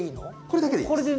これだけでいいです。